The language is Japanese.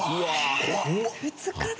２日で？